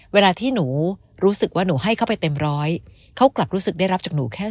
เวลาที่หนูรู้สึกว่าหนูให้เข้าไปเต็มร้อยเขากลับรู้สึกได้รับจากหนูแค่